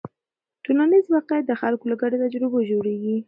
ټولنیز واقیعت د خلکو له ګډو تجربو جوړېږي.